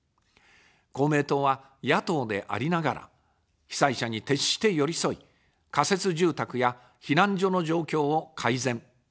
公明党は野党でありながら、被災者に徹して寄り添い、仮設住宅や避難所の状況を改善。